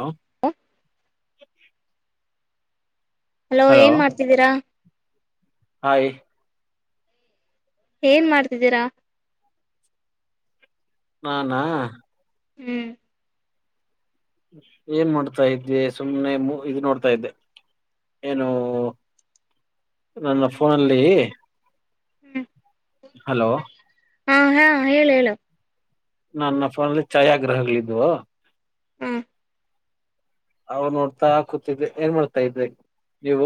ಹಾಂ ಹಾ hello hello ಏನ್ ಮಾಡ್ತಿದ್ದೀರಾ ಹಾಯ್ ಏನ್ ಮಾಡ್ತಿದ್ದೀರಾ ನಾನಾ ಹ್ಮ್ ಏನ್ ಮಾಡ್ತಾ ಇದೆ ಸುಮ್ನೆ ಇದು ನೋಡ್ತಾ ಇದ್ದೆ ಏನು ನನ್ನ ಫೋನಲ್ಲಿ ಹ್ಮ್ ಹಲೋ ಹಾ ಹಾ ಹೇಳಿ ಹೇಳ ನನ್ನ ಫೋನಲ್ಲಿ ಛಾಯಾಗ್ರಹಗಳಿದ್ವು ಹ್ಮ ಅವ್ ನೋಡ್ತಾ ಹಾಕೂತಿದ್ರೆ ಏನ್ ಮಾಡ್ತಾ ಇದ್ರೆ ನೀವು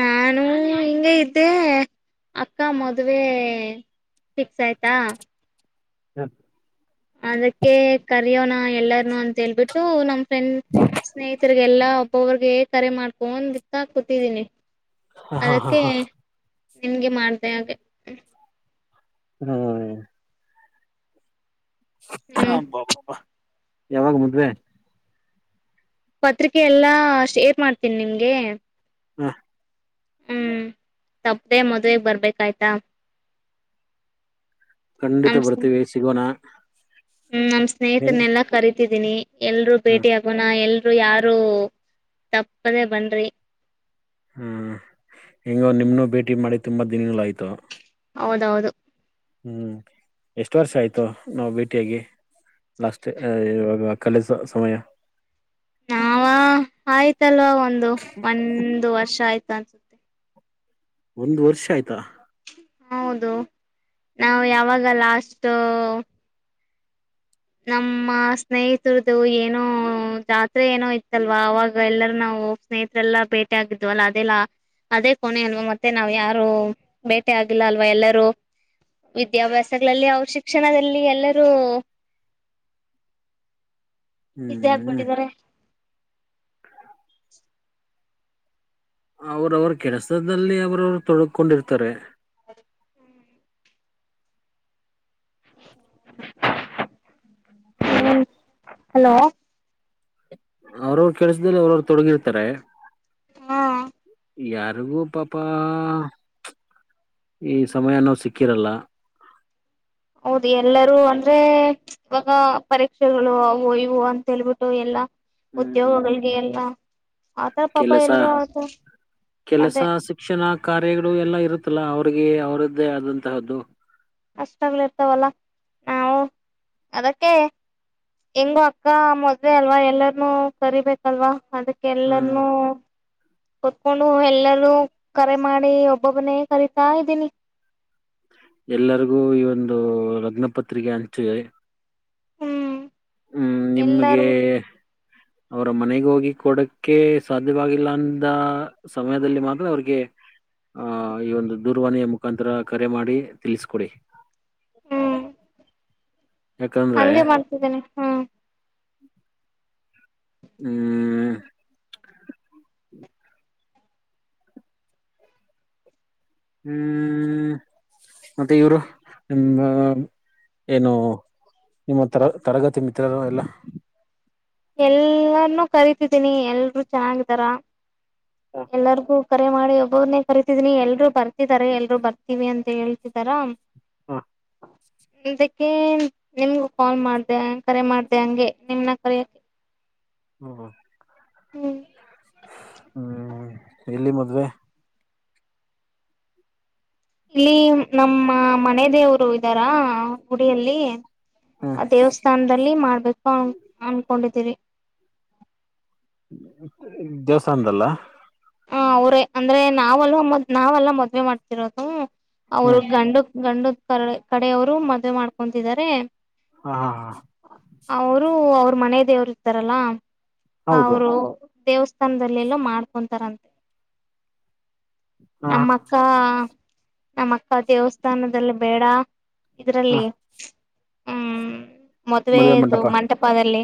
ನಾನು ಹಿಂಗ ಇದ್ದೆ ಅಕ್ಕ ಮದ್ವೆ ಫಿಕ್ಸ್ ಆಯ್ತಾ ಹಾಞ ಅದಕ್ಕೆ ಕರೆಯೋಣ ಎಲ್ಲಾರ್ನು ಅಂತ ಹೇಳ್ಬಿಟ್ಟು ನಮ್ ಫ್ರೆಂಡ್ ಸ್ನೇಹಿತರಿಗೆ ಎಲ್ಲ ಒಬ್ಬೊಬರ್ಗೆ ಕರೆ ಮಾಡ್ಕೊನ್ ಇತ್ತ ಕೂತಿದೀನಿ ಹಾ ಹಾ ಅದಕ್ಕೆ ಹಾ ನಿನ್ಗೆ ಮಾಡ್ದ ಹಾಗೆ ಹೌ ಹ್ಮ್ ಹಬಬ ಯಾವಾಗ ಮದ್ವೆ ಪತ್ರಿಕೆ ಎಲ್ಲ ಶೇರ್ ಮಾಡ್ತೀನಿ ನಿಮ್ಗೆ ಹಾ ಹ್ಮ್ ತಪ್ಪದೆೇ ಮದ್ವೆ ಬರ್ಬೇಕಾಯ್ತಾ ಖಂಡಿತ ನಮ್ ಬರ್ತೀವಿ ಸಿಗೋಣ ಹ್ಮ್ ನಮ್ಮ್ ಹೆಂಗ್ ಸ್ನೇಹಿತರನೆಲ್ಲಾ ಕರತಿದ್ದೀನಿ ಎಲ್ರುೂ ಹ ಭೇಟಿ ಆ ನ ಎಲ್ರುೂ ಯಾರು ತಪ್ಪದೆೇ ಬನ ರೀ ಹ ಹೆಗೋ ನಿಮ್ಮೂ ಭೇಟಿ ಮಾಡಿ ತುಂಬ ದಿನಗಳಾಯಿತು ಹೌದೌದು ಹ್ಮ್ ಎಷ್ಟು ವರ್ಷ ಆಯ್ತು ನಾವು ಭೇಟಿಯಾಗಿ ಲಾಸ್ಟ್ ಇವಾಗ ಕಾಲೇಜ ಸಮಯ ನಾವ ಆಯ್ತಲ್ವಾ ಒಂದು ಒಂದು ವರ್ಷ ಆಯ್ತ ಅನ್ಸುತ್ತೆ ಒಂದು್ ವರ್ಷ ಆಯ್ತಾ ಹೌದು ನಾವು ಯಾವಾಗ ಲಾಸ್ ನಮ್ಮ ಸ್ನೇಹಿತರದು ಏನೋ ಜಾತ್ರೆ ಏನೋ ಇತ್ತಲ್ವಾ ಅವವಾಗ ಎಲ್ಲರ ನಾವು ಸ್ನೇಹಿತರೆಲ್ಲಾ ಭೇಟಿ ಆಗಿದ್ು ಅಲ್ಲ ಅದೆಲ್ಲ ಅದೇ ಕೊನೆ ಅಲ್ವಾ ಮತ್ತೆ ನಾವ್ ಯಾರು ಬೇಟೆ ಆಗಿಲ್ಲ ಅಲ್ವಾ ಎಲ್ಲರೂ ವಿದ್ಯಾಭ್ಯಾಸಗಳಲ್ಲಿ ಅವ್ರ ಶಿಕ್ಷಣದಲ್ಲಿ ಎಲ್ಲರೂ ಬಸಿ ಆಗ್ಬಿಟ್ಟಿದಿದ್ದಾರೆ ಹ ಅವ್ರ ಅವ್ರ ಕೆಲಸದಲ್ಲಿ ಅವ್ರವ್ರು ತೊಡಕೊಂಡಿರ್ತಾರೆ ಹಲೋ ಹ್ಮ್ ಹಲೋ ಅವ್ರವ್ರ ಕೆಲ್ಸದಲ್ಲಿ ಅವ್ರವ್ರು ತೊಡಗಿರ್ತಾರೆ ಹಾ ಯಾರಿಗೂ ಪಾಪ ಈ ಸಮಯ ಅನ್ನೋ ಸಿಕ್ಕಿರಲ್ಲ ಹೌದು ಎಲ್ಲರೂ ಅಂದ್ರೆ ಇವಾಗ ಪರೀಕ್ಷೆಗಳು ಅವು ಇವು ಅಂತ ಹೇಳ್ಬಿಟ್ಟು ಎಲ್ಲಾ ಹ್ಮ್ ಉದ್ಯೋಗಿಗೆ ಎಲ್ಲ ಆತರ ಪಾಪ ಕೆಲಸ ಎಲ್ರುೂ ಆತ ಕೆಲಸ ಅದೇ ಶಿಕ್ಷಣ ಕಾರ್ಯಗಳು ಎಲ್ಲ ಇರುತ್ತಲ್ಲ ಅವ್ರಿಗೆ ಅವರದ್ದೇ ಆದಂತಹದ್ದು ಅಷ್ಟಾಗ್ಲಿ ಇರ್ತಾವಲ್ಲ ನಾವು ಅದಕ್ಕೆ ಹೆಂಗು ಅಕ್ಕ ಮೊದ್ವೆ ಅಲ್ವಾ ಎಲ್ಲರನುೂ ಕರಿಬೇಕು ಅಲ್ವಾ ಹ್ಮ್ ಅದಕ್ಕೆಲ್ಲರನುೂ ಕುತ್ಕೊಂಡು ಎಲ್ಲರೂ ಕರೆ ಮಾಡಿ ಒಬ್ಬೊಬ್ಬನೇ ಕರಿತಾ ಇದ್ದೀನಿ ಎಲ್ಲರಿಗೂ ಈ ಒಂದು ಲಗ್ನಪತ್ರಿಕೆ ಹಂಚಿದೆ ಹ್ಮ್ ಹ್ಮ್ ನಿಮ್ಗೆ ಎಲ್ಲಾರೂ ಅವರ ಮನೆಗ ಹೋಗಿ ಕೊಡಕ್ಕೆ ಸಾಧ್ಯವಾಗಿಲ್ಲ ಅಂದ ಸಮಯದಲ್ಲಿ ಮಾತ್ರ ಅವ್ರಿಗೆ ಆಹ ಈ ಒಂದು ದೂರವಾಣಿಯ ಮುಖಾಂತರ ಕರೆ ಮಾಡಿ ತಿಳಿಸಕೊಡಿ ಹ್ಮ್ ಯಾಕಂದ್ರೆ ಹಂಗೇ ಮಾಡ್ತಿದ್ದೇನೆ ಹ್ಮ್ ಹ್ಮ ಹ್ಮ್ ಮತ್ತೆ ಇವರು ನಿ ಏನು ನಿಮ್ಮ ತರ ತರಗತಿ ಮಿತ್ರರು ಎಲ್ಲ ಎಲ್ಲಾರ್ನುೂ ಕರಿತಿದ್ದೀನಿ ಎಲ್ರುೂ ಚೆನ್ನಾಗಿದಾರ ಎಲ್ಲರಿಗೂ ಕರೆ ಮಾಡಿ ಒಬ್ಬೊನೆೇ ಕರಿತಿದನಿ ಎಲ್ರು ಬರ್ತಿದಾರೆ ಎಲ್ರು ಬರ್ತೀವಿ ಅಂತ ಹೇಳ್ತಿದಾರ ಹಾ ಅದಕ್ಕೆ ನಿಮಗು ಕಾಲ್ ಮಾಡ್ದ ಕರೆ ಮಾಡ್ದ ಹಂಗೆ ನಿಮ್ನ್ನ ಕರೆಯಕ್ಕೆ ಹ್ಮ ಹ್ಮ್ ಹ್ಮ್ ಎಲ್ಲಿ ಮದ್ವೆ ಇಲ್ಲಿ ನಮ್ಮ ಮನೆ ದೇವ್ರು ಇದಾರಾ ಗುಡಿಯಲ್ಲಿ ಹ್ಮ್ ಆ ದೇವಸ್ಥಾನದಲ್ಲಿ ಮಾಡ್ಬೇಕು ಅ ಅನ್ಕೊಂಡಿದೀರಿ ದೇವಾಸ್ತನದಲ್ಲ ಹ ಅವ್ರೇ ಅಂದ್ರೆ ನಾವೆಲ್ಲದ್ ನಾವೆಲ್ಲಾ ಮದ್ವೆ ಮಾಡ್ತಿರೋದು ಅವರು ಹ್ಮ್ ಗಂಡು ಗಂಡ ಕ ಕಡೆವರು ಮದ್ವೆ ಮಾಡ್ಕೊತಿದ್ದಾರೆ ಹಾ ಹಾ ಹಾ ಅವರು ಅವ್ರ ಮನ ದೇವರು ಇರ್ತಾರಲ್ಲ ಹೌದು ಅವರು ದೇವಸ್ಥಾನದಲ್ಲೆಲ್ಲೋ ಮಾಡ್ಕೊಂತಾರಂತ ಹ ನಮ್ಮ ಅಕ್ಕ ನಮ್ಮ ಅಕ್ಕ ದೇವಸ್ಥಾನದಲ್ಲಿ ಬೇಡ ಹ ಇದರಲ್ಲಿ ಮದುವೆ ಮದ್ವೆದು ಮಂಟಪ ಮಂಟಪದಲ್ಲಿ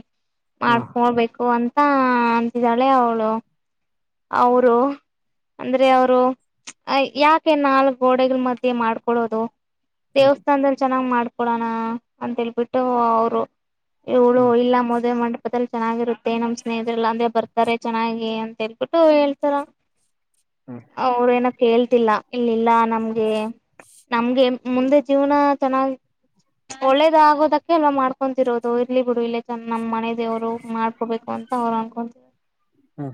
ಹ್ಮ ಮಾಡ್ಕೊಳ್ಬೇಕು ಅಂತ ಹಾ ಅಂತಿದ್ದಾಳೆ ಅವಳು ಅವರು ಅಂದ್ರೆ ಅವರು ಯಾಕೆ ನಾಲ್ಕ್ ಗೋಡೆಗಳ ಮಧ್ಯೆ ಮಾಡ್ಕೊೊಳ್ಳೋದು ಹ್ಮ್ ದೇವಸ್ಥಾನದಲ್ಲಿ ಚೆನ್ನಾಗ್ ಮಾಡ್ಕೊಡೋಣ ಅಂತೇಳ್ಬಿಟ್ಟು ಅವರು ಇವ್ಳು ಹ್ಮ್ ಇಲ್ಲಾ ಮದೆ ಮಾಡ ಹಪದಲ್ಲಿ ಚೆನ್ನಾಗಿರುತ್ತೆ ನಮ್ ಸ್ನೇಹಿತರೆ ಎಲ್ಲಾ ಅಂದ್ರೆ ಬರ್ತಾರೆ ಚೆನ್ನಾಗಿ ಅಂತ ಹೇಳ್ಬಿಟ್ಟು ಹೇಳ್ತಾರ ಹ್ಮ್ ಅವರು ಏನಪ್ಪ ಹೇಳ್ತಿಲ್ಲ ಇಲ್ಲಿಲ್ಲ ನಮ್ಗೆ ನಮ್ಗೆ ಮುಂದೆ ಜೀವನ ಚೆನ್ನಾಗಿ ಒಳ್ಳೇದ ಆಗೋದಕ್ಕೆ ಎಲ್ಲ ಮಾಡ್ಕೊಂತಿರೋದು ಇರ್ಲಿ ಬಿಡು ಇಲ್ಲ ಚ ನಮ್ಮ ಮನೆ ದೇವ್ರು ಮಾಡ್ಕೋಬೇಕು ಅಂತ ಹೌರ್ಕ ಹಾ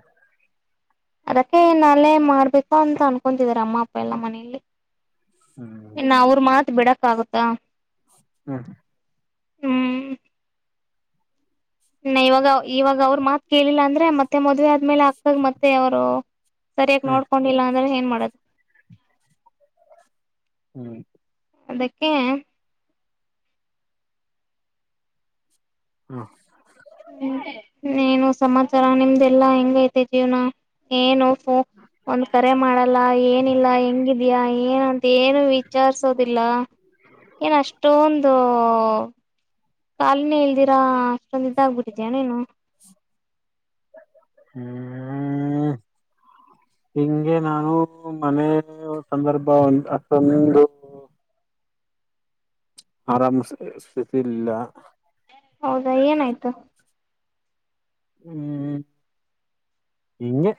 ಅದಕ್ಕೆ ನಾಲೇ ಮಾಡ್ಬೇಕು ಅಂತ ಅನ್ಕೊತಿದಿದ್ದಾರೆ ಅಮ್ಮ ಅಪ್ಪ ಎಲ್ಲ ಮನಲಿ ಇನ್ನು ಅವ್ರ ಮಾತ್ ಬಿಡಕ್ ಆಗತ್ತಾ ಹಾ ಹ ಹ ಇವಾಗ ಇವಾಗ ಅವರು ಮಾತ್ ಕೇಳಿಲ್ಲ ಅಂದ್ರೆ ಮತ್ತೆ ಮದ್ವೆ ಆದ್ಮೇಲೆ ಆಕ್ಕ್ಕಾಗ ಮತ್ತೆ ಅವರು ಸರಿಯಾಗಿ ಹ್ಮ್ ನೋಡ್ಕೊಂಡಿಲ್ಲ ಅಂದ್ರೆ ಏನ್ ಮಾಡೋದು ಹ್ಮ ಅದಕ್ಕೆ ಹಾ ಏನು ಸಮಾಚಾರ ನಿಮ್ದೆಲ್ಲಾ ಹೆಂಗೈತೇ ಜೀವನ ಏನು ಸ ಒಂದ್ ಕರೆ ಮಾಡಲ್ಲ ಏನಿಲ್ಲ ಹೆಂಗಿದ್ಯಾ ಏನಂತ ಏನು ವಿಚಾರ್ಸೋದಿಲ್ಲ ಏನ ಅಷ್ಟೊ ಒಂದು ಕಾಲಿನೇ ಇಲ್ದಿರಾ ಅಷ್ಟೊಂದಿಂದ ಆಗ್ಬುುದಿದ್ಯ ನೀನು ಹ್ಮ ಹಿಂಗೆ ನಾನು ಮನೆ ಸಂದರ್ಭ ಒ ಅಷ್ಟೊಂದು ಆರಾಮ್ ಸ್ಥಿತಿ ಇಲ್ಲ ಹೌದಾ ಏನಾಯ್ತು ಹ್ಮ್ ಹಿಂಗೆ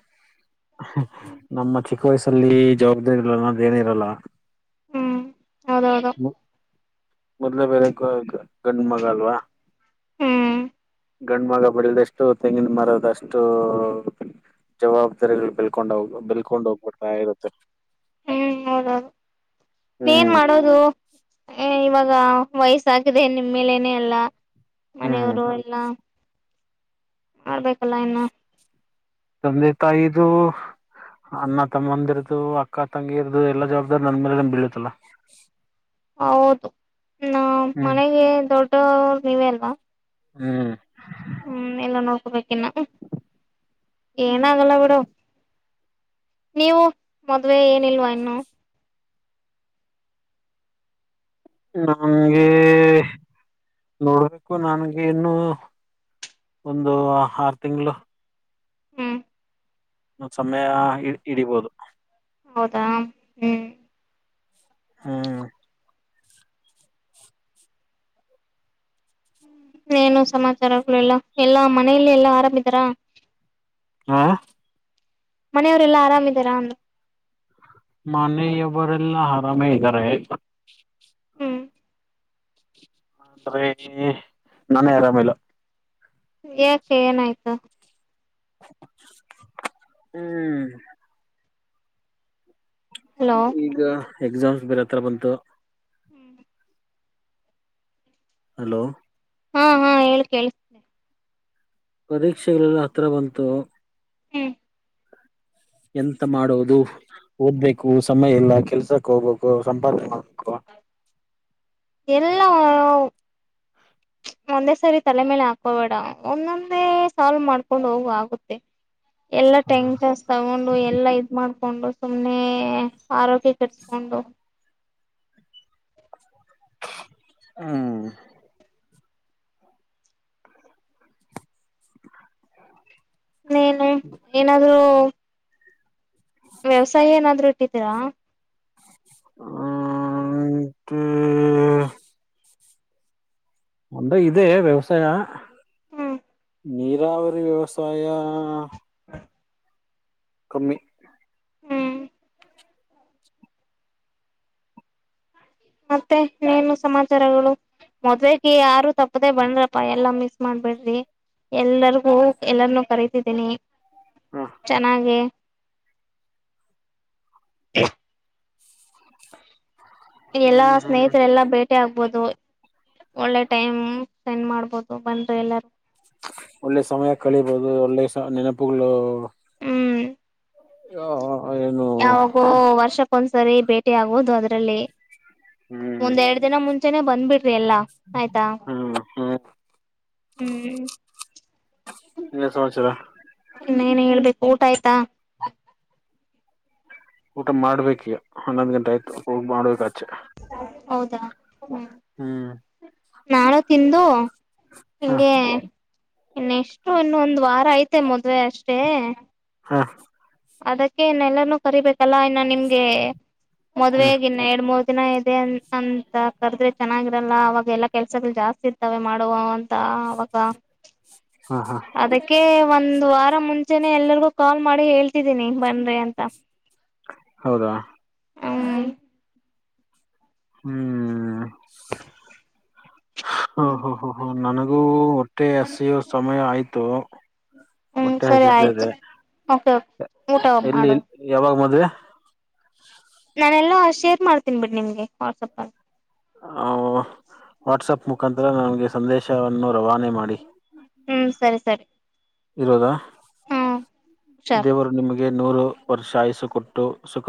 ನಮ್ಮ ಚಿಕ್ಕ ವಯಸಲ್ಲಿ ಜವಾಬ್ದಾರಿ ಗಳನ್ನೋದು ಏನ ಇರಲ್ಲ. ಹೌದೌದದು ಮೊದ್ಲೇ ಬೇರೆ ಗ ಗ ಗಂಡ ಮಗ ಅಲ್ವಾ ಹ್ಮ್ ಗಂಡ ಮಗ ಬೆಳದಷ್ಟು ತೆಂಗಿನ ಮರದ ಅಷ್ಟು ಜವಾಬ್ದಾರಿಗಳು ಬೆಳ್ಕೊಂಡಾವ ಬೆಳ್ಕೊಂಡ್ ಹೋಗ್ಬಿಡುತ್ತಾ ಇರುತ್ತೆ ಹ್ಮ್ ಹೌದೌದು ಏನ್ ಹ್ಮ್ ಮಾಡೋದು ಇವಾಗ ವಯಸ್ಸಾಗಿದೆ ನಿಮ್ ಮೇಲೇನೆೇ ಎಲ್ಲ ಹ್ಮ್ ಮನೆಯವರು ಎಲ್ಲಾ ಮಾಡ್ಬೇಕಲ್ಲ ಇನ್ನು ತಂದೆ ತಾಯಿ ದು ಅಣ್ಣ ತಮ್ಮಂದಿರದು ಅಕ್ಕ ತಂಗಿ ಇರದು ಎಲ್ಲಾ ಜವಾಬ್ದಾರಿ ನಂದ ಮೇಲೆ ಬೀಳತ್ತಲ್ಲಾ ಹೌದು ನ ಹ್ಮ್ ಮನೆಗೆ ದೊಡ್ಡವರ್ ನೀವೇ ಅಲ್ವಾ. ಹ್ಮ್ ಹ್ಮ ಎಲ್ಲ ನೋಡ್ಕೋಬೇಕ ಇನ್ನ ಏನಾಗಲ್ಲ ಬಿಡು. ನೀವು ಮದ್ವೆ ಏನಿಲ್ವಾ ಇನ್ನು. ನಂಗೆ ನೋಡ್ಬೇಕು ನನ್ಗೆ ಇನ್ನುೂ ಒಂದು ಆರು ತಿಂಗಳು. ಹ್ಮ್ ಇನ್ನ ಸಮಯ ಇ ಇಡಿಬೋದು. ಹೌದಾ ಹ್ಮ್ ಹ್ಮ ಏನು ಸಮಾಚಾರಗಳು ಎಲ್ಲ, ಎಲ್ಲಾ ಮನೆಯಲ್ಲಿ ಎಲ್ಲಾ ಆರಾಮಿದೀರಾ. ಹ್ಮ ಮನೆಯವ್ರ ಎಲ್ಲಾ ಆರಾಮಿದಾರಾ ಅಂದೆ. ಮನೆಯವರೆಲ್ಲಾ ಆರಾಮೇ ಇದ್ದಾರೆ. ಹ್ಮ್ [unintelligible] ನಾನೇ ಆರಾಮಿಲ್ಲ. ಏಕೆ ಏನಾಯ್ತು. ಹ್ಮ್ ಹಲೋ ಈಗ ಎಕ್ಸಾಮ್ಸ್ ಬೇರೆ ಹತ್ರ ಬಂತು. ಹ್ಮ್ ಹಲೋ ಹಾ ಹಾ ಹೇಳಿ ಕೇಳ್ ಪರೀಕ್ಷೆಗಳೇಲ್ಲ ಹತ್ರ ಬಂತು. ಹ್ಮ್ ಎಂತ ಮಾಡೋವದು ಓದ್ಬೇಕು ಸಮಯ ಇಲ್ಲ ಕೆಲ್ಸಕ್ಕೆ ಹೋಗ್ಬೇಕು ಸಂಪಾದನೆ ಮಾಡ್ಬೇಕು. ಎಲ್ಲಾ ಊ ಒಂದೇ ಸರಿ ತಲೆ ಮೇಲೆ ಹಾಕೋಬೇಡ ಒಂದೊಂದೇ ಸಾಲ್ವ್ ಮಾಡ್ಕೊಂಡ್ ಹೋಗು ಆಗುತ್ತೆ. ಎಲ್ಲ ಟೈಮ್ ಜಸ್ [unintelligible] ತಗೊಂಡು ಎಲ್ಲಾ ಇದ ಮಾಡ್ಕೊಂಡು ಸುಮ್ನೆ ಆರೋಗ್ಯ ಕೆಡಿಸಕೊಂಡು. ಹ್ಮ್ ಹಾ ಹಾ ಇನ್ನೇನು ಏನಾದರೂ. ವ್ಯವಸಾಯ ಏನಾದ್ರು ಇಟ್ಟಿದ್ದೀರಾ. ಹ್ಮ [unintelligible] ಮುಂದೆ ಇದೇ ವ್ಯವಸಾಯ. ಹ್ಮ ನೀರಾವರಿ ವ್ಯವಸಾಯ. ಹ್ಮ ಕಮ್ಮಿ ಹ್ಮ್ ಮತ್ತೆ ಇನ್ನೇನು ಸಮಾಚಾರಗಳು. ಮದ್ವೆಗೆ ಯಾರು ತಪ್ಪದೆ ಬಣ್ರಪ್ಪ ಎಲ್ಲಾ ಮಿಸ್ ಮಾಡ್ಬೇಡ್ರಿ. ಎಲ್ಲರಿಗೂ ಹ ಎಲ್ಲರನು ಕರಿತಿದ್ದೀನಿ ಹ ಚೆನ್ನಾಗೆ. ಎಲ್ಲಾ ಹ್ಮ್ ಹ್ಮ್ ಸ್ನೇಹಿತರೆ ಎಲ್ಲಾ ಬೇ [unintelligible] ಆಗ್ಬೋದು ಒಳ್ಳೆ ಟೈಮ್ ಸ್ಪೆಂಡ್ ಮಾಡ್ಬೋದು ಬಂನ್ರೀ ಎಲ್ಲರೂ. ಒಳ್ಳೆ ಸಮಯ ಕಳಿಬಹುದು ಒಳ್ಳೆ ನೆನಪುಗಳು. ಹ್ಮ್ ಹ ಏನು. ಒಂದ್ಸರಿ ಭೇಟಿ ಆಗೋದು ಅದ್ರಲ್ಲಿ ಹ್ಮ್ ಒಂದ್ ಎರಡ್ ದಿನ ಮುಂಚೆನೆ ಬಂದ್ಬಿಡ್ [unintelligible] ರಿ ಎಲ್ಲ ಆಯ್ತಾ. ಹ್ಮ್ ಹ್ಮ್ ಹ್ಮ್ ಎಲ್ಲ ಸಮಸರ ಇನ್ನೇನೇ ಹೇಳ್ಬೇಕು ಊಟ ಆಯ್ತಾ ಊಟ ಮಾಡ್ಬೇಕ ಈಗ ಹನ್ನೊಂದ್ ಗಂಟೆ ಆಯ್ತು ಹೋಗಿ ಮಾಡ್ಬೇಕ ಆಚೆ ಹೌದಾ ಹ್ಮ ಹ್ಮ್ ನಾಳ ತಿಂದು ಹ ಹಂಗೆ ಇನ್ನ ಎಷ್ಟು ಇನ್ನೊಂದ್ ವಾರ ಐ್ತೆ ಮದ್ವೆ ಅಷ್ಟೇ ಹಾ ಅದಕ್ಕೆ ಇನ್ನ ಎಲ್ಲಾರೂ ಕರಿಬೇಕಲ್ಲಾ ಇನ್ನು ನಿಮ್ಗೆ ಹ್ಮ್ ಮದ್ವೆಗ ಎರಡ್ ಮೂರ್ ದಿನ ಇದೆ ಅಂತ ಕರೆದ್ರೆ ಚೆನ್ನಾಗಿರಲ್ಲ ಅವಾಗ ಎಲ್ಲಾ ಕೆಲ್ಸಗಳು ಜಾಸ್ತಿ ಇ ಇತವೆ ಮಾಡುವ ಅಂತ ಅವಾಗ ಹಾ ಹಾ ಅದಕ್ಕೆ ಒಂದ್ ವಾರ ಮುಂಚೆನೆ ಎಲ್ಲರಿಗೂ ಕಾಲ್ ಮಾಡಿ ಹೇಳ್ತಿದೀನಿ ಬಣ್ರೆ ಅಂತ ಹ ಹೌದಾ ಹ್ಮ್ ಹ ಹ ಹ ಹ ನನಗೂ ಹೊಟ್ಟೆ ಎಸಿಯೋ ಸಮಯ ಆಯ್ತು ಹ್ಮ್ ಹೊಟ್ಟೆ ಸರಿ ಆಯ್ತು ಹಸಿದ್ದದೆ ಓಕೆ ಊಟ ಎಲ್ಲಿ ಮಾಡು ಯಾವಾಗ ಮದ್ವೆ ನಾನೆ ಎಲ್ಲ ಶೇರ್ ಮಾಡ್ತೀನಿ ಬಿಡಿ ನಿಮ್ಗೆ ವಾಟ್ಸಆಪಲ್ಲಿ ವಾಟ್ಸಪ್ ಮುಖಾಂತರ ನಮಗೆ ಸಂದೇಶವನ್ನು ರವಾನೆ ಮಾಡಿ ಹ್ಮ್ ಸರಿ ಸರಿ ಇರೋದ ಹ್ಮ್ ಹುಷಾರ್ ದೇವರು ನಿಮಗೆ ನೂರು ವರ್ಷ ಆಯಸು ಕೊಟ್ಟು ಸುಖ